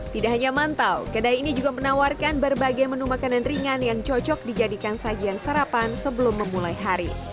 tidak hanya mantau kedai ini juga menawarkan berbagai menu makanan ringan yang cocok dijadikan sajian sarapan sebelum menikmati roti ini juga menarik penutupan